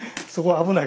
危ない？